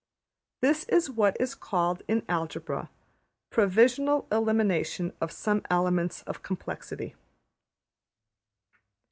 '' This is what is called in Algebra ``provisional elimination of some elements of complexity.''